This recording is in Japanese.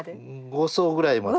５層ぐらいまで。